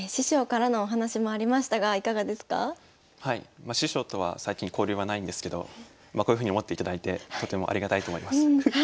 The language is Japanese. まあ師匠とは最近交流はないんですけどこういうふうに思っていただいてとてもありがたいと思います。